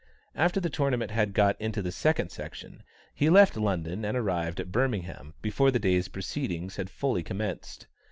After the tournament had got into the second section, he left London and arrived at Birmingham before the day's proceedings had fully commenced.